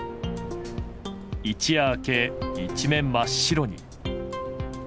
一夜明け、一面真っ白に。